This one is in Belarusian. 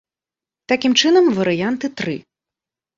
Такім чынам, варыянты тры.